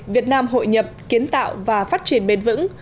việt nam hội nhập kiến tạo và phát triển bền vững